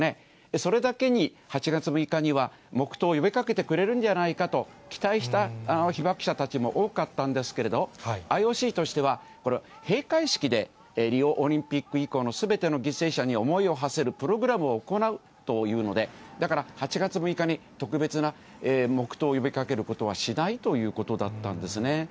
それだけに８月６日には黙とうを呼びかけてくれるんじゃないかと期待した被爆者たちも多かったんですけれど、ＩＯＣとしては、これ、閉会式で、リオオリンピック以降のすべての犠牲者に思いをはせるプログラムを行うというので、だから８月６日に特別な黙とうを呼びかけることはしないということだったんですね。